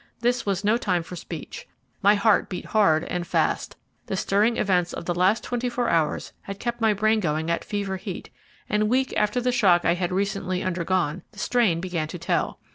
This was no time for speech. My heart beat hard and fast the stirring events of the last twenty four hours had kept my brain going at fever heat, and, weak after the shock I had recently undergone, the strain began to tell.